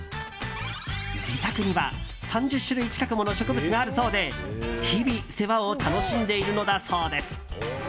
自宅には３０種類近くもの植物があるそうで日々、世話を楽しんでいるのだそうです。